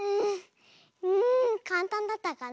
うんかんたんだったかな。